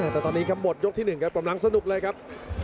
แต่ตอนนี้ครับหมดยกที่๑ครับกำลังสนุกเลยครับ